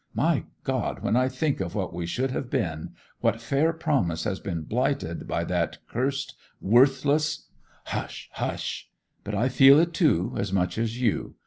My God! when I think of what we should have been—what fair promise has been blighted by that cursed, worthless—' 'Hush, hush! ... But I feel it, too, as much as you.